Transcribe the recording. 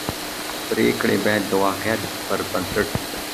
پرېکړې باید د واقعیت پر بنسټ وي